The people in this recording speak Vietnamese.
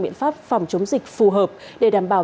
biện pháp phòng chống dịch phù hợp để đảm bảo